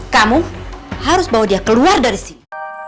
kamu harus bawa dia keluar dari sini